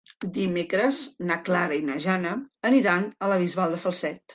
Dimecres na Clara i na Jana aniran a la Bisbal de Falset.